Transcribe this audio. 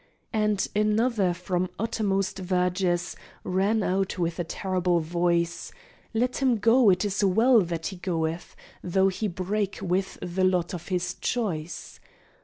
And another from uttermost verges Ran out with a terrible voice "Let him go it is well that he goeth, Though he break with the lot of his choice!"